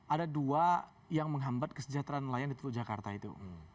ada dua yang menghambat kesejahteraan nelayan di teluk jakarta itu